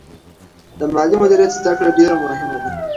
د مالي مدیریت زده کړه ډېره مهمه ده.